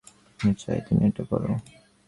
আমি চাই তুমি এটা করো।